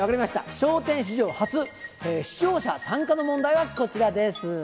笑点史上初、視聴者参加の問題はこちらです。